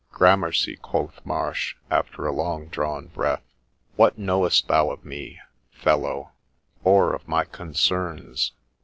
4 Grammercy,' quoth Marsh, after a long drawn breath, 4 what knowest thou of me, fellow, or of my concerns